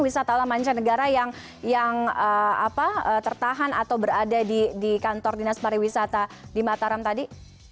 wisata alam mancanegara yang tertahan atau berada di kantor dinas pariwisata di mataram tadi